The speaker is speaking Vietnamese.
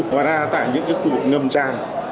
ngoài ra tại những cái khu vực ngầm tràn